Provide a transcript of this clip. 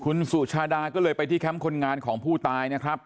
คุณสุชาดาก็เลยไปที่แคมป์คนงานของผู้ตายนะครับ